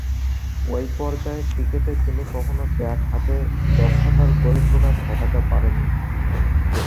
ঐ পর্যায়ের ক্রিকেটে তিনি কখনো ব্যাট হাতে দক্ষতার বহিঃপ্রকাশ ঘটাতে পারেননি।